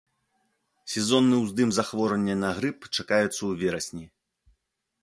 Сезонны ўздым захворвання на грып чакаецца ў верасні.